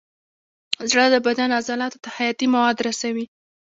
زړه د بدن عضلاتو ته حیاتي مواد رسوي.